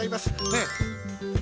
ねえ。